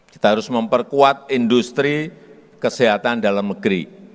kita harus memperkuat industri kesehatan dalam negeri